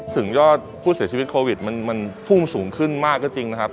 ยอดผู้เสียชีวิตโควิดมันพุ่งสูงขึ้นมากก็จริงนะครับ